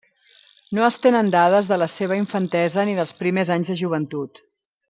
No es tenen dades de la seva infantesa ni dels primers anys de joventut.